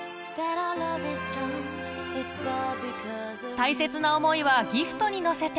大切な思いはギフトに乗せて